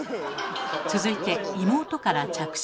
続いて妹から着信。